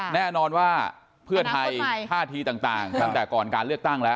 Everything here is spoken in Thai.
แน่นอนว่าเพื่อไทยท่าทีต่างตั้งแต่ก่อนการเลือกตั้งแล้ว